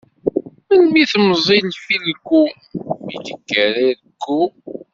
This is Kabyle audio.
Melmi temẓi ifilku, mi d-ikker irekku?